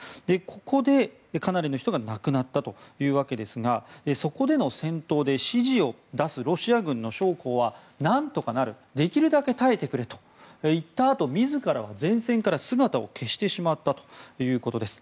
ここでかなりの人が亡くなったというわけですがそこでの戦闘で指示を出すロシア軍の将校は何とかなるできるだけ耐えてくれと言ったあと自らは前線から姿を消してしまったということです。